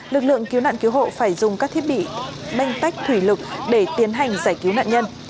lực lượng cứu nạn cứu hộ phải dùng các thiết bị đánh tách thủy lực để tiến hành giải cứu nạn nhân